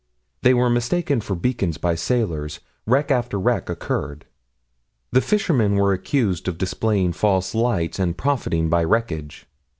They were mistaken for beacons by sailors. Wreck after wreck occurred. The fishermen were accused of displaying false lights and profiting by wreckage.